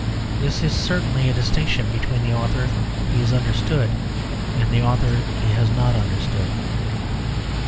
This is certainly a distinction between the author he has understood and the author he has not understood.